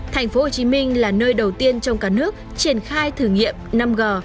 thành phố hồ chí minh là nơi đầu tiên trong cả nước triển khai thử nghiệm năm g